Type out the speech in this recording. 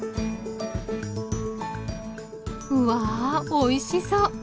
うわぁおいしそう！